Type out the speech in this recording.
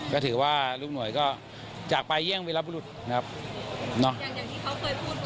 ก็ถือว่าลูกหน่วยก็จากไปเยี่ยมวิรบุรุษนะครับเนอะอย่างอย่างที่เขาเคยพูดไป